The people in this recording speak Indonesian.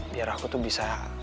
biar aku tuh bisa